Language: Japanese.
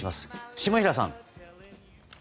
下平さん。